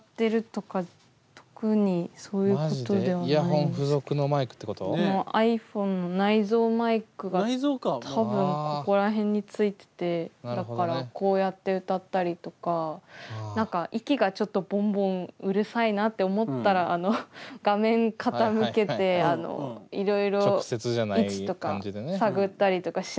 ボーカルもこのｉＰｈｏｎｅの内蔵マイクが多分ここら辺についててだからこうやって歌ったりとか何か息がちょっとボンボンうるさいなって思ったら画面傾けていろいろ位置とか探ったりとかしながら。